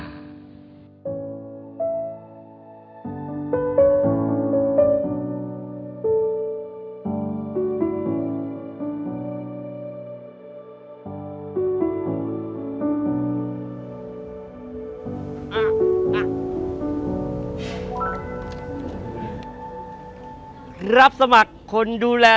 คุณและเราจะไม่ขอบาย